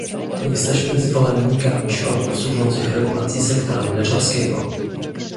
Jesteśmy zwolennikami środków służących regulacji sektora mleczarskiego